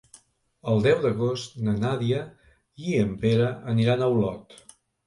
El deu d'agost na Nàdia i en Pere aniran a Olot.